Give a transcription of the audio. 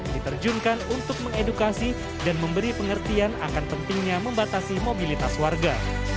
diterjunkan untuk mengedukasi dan memberi pengertian akan pentingnya membatasi mobilitas warga